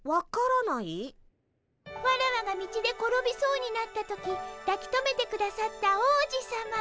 ワラワが道で転びそうになった時だきとめてくださった王子さま。